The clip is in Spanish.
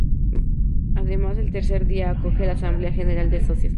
Además, el tercer día, acoge la Asamblea General de Socios.